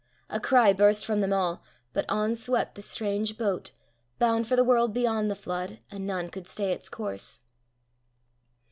A cry burst from them all; but on swept the strange boat, bound for the world beyond the flood, and none could stay its course.